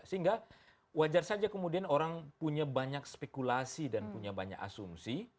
sehingga wajar saja kemudian orang punya banyak spekulasi dan punya banyak asumsi